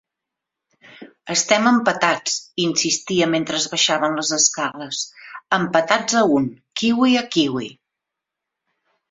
Estem empatats —insistia mentre baixaven les escales—, empatats a un, kiwi a kiwi.